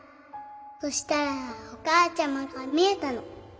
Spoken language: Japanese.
そしたらお母ちゃまが見えたの。